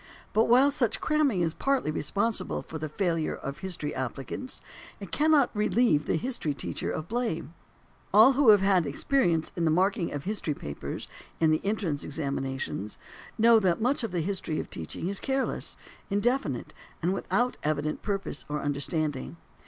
But while such cramming is partly responsible for the failure of history applicants, it cannot relieve the history teacher of blame. All who have had experience in the marking of history papers in entrance examinations know that much of the teaching of history is careless, indefinite, and without evident purpose or understanding.